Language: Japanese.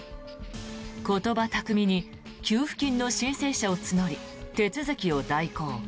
言葉巧みに給付金の申請者を募り手続きを代行。